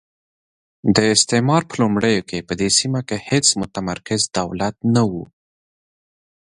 د استعمار په لومړیو کې په دې سیمه کې هېڅ متمرکز دولت نه وو.